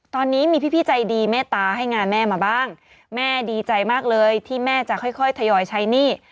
ตอนนี้มีพี่ใจดีเมตตาให้งานแม่มาบ้างแม่ดีใจมากเลยที่แม่จะค่อยค่อยทยอยใช้หนี้